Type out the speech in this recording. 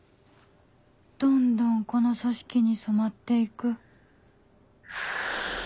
どんどんこの組織に染まって行く